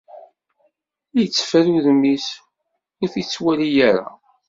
Itteffer udem-is, ur d-ittwali ara!